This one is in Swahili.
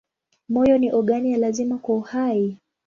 Moyo ni ogani ya lazima kwa uhai.